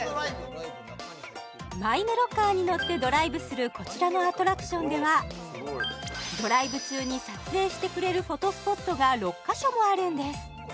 マイメロカーに乗ってドライブするこちらのアトラクションではドライブ中に撮影してくれるフォトスポットが６か所もあるんです